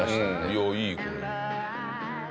いやいいこれ。